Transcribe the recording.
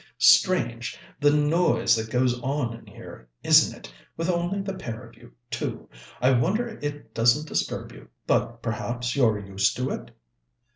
"Strange, the noise that goes on in here, isn't it, with only the pair of you, too. I wonder it doesn't disturb you; but perhaps you're used to it?"